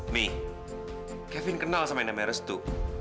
mi kevin kenal sama namanya restu